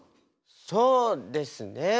そうですね。